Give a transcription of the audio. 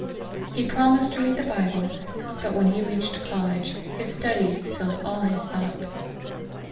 He pro mised to read the Bible, but when he reached col lege, his studies filled all his thoughts.